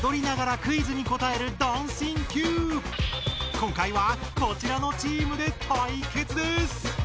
今回はこちらのチームで対決です！